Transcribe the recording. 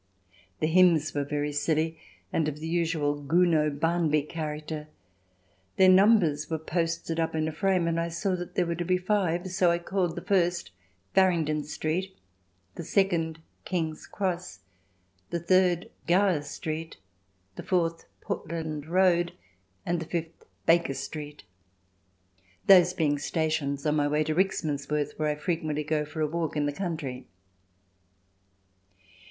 The hymns were very silly, and of the usual Gounod Barnby character. Their numbers were posted up in a frame and I saw there were to be five, so I called the first Farringdon Street, the second King's Cross, the third Gower Street, the fourth Portland Road, and the fifth Baker Street, those being stations on my way to Rickmansworth, where I frequently go for a walk in the country.